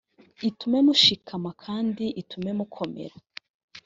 itume mushikama kandi itume mukomera